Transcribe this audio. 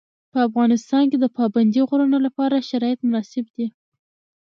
په افغانستان کې د پابندي غرونو لپاره شرایط مناسب دي.